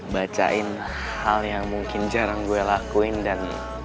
bacain hal yang mungkin jarang gue lakuin dan